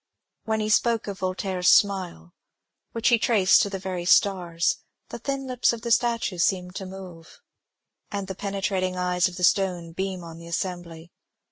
When he spoke of Voltaire's ^^ smile," which he traced to the very stars, the thin lips of the statue seemed to move, and the penetrating eyes of the stone beam on the assembly.